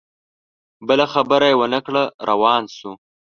بله خبره یې ونه کړه روان سو